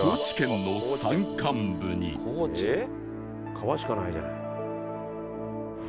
川しかないじゃない。